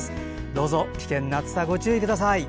どうぞ危険な暑さご注意ください。